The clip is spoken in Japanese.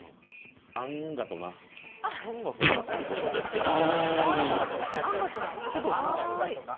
あんがとな。